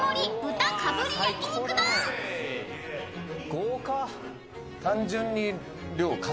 豪華。